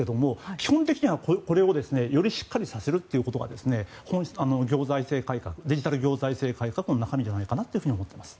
基本的には、これをよりしっかりさせることがデジタル行財政改の中身じゃないかなというふうに思っています。